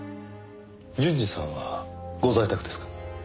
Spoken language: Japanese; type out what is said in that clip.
純次さんはご在宅ですか？